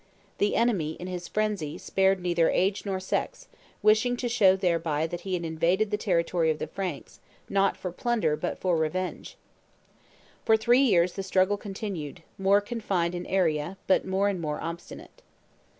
The enemy, in his frenzy, spared neither age nor sex, wishing to show thereby that he had invaded the territory of the Franks, not for plunder, but for revenge!" For three years the struggle continued, more confined in area, but more and more obstinate.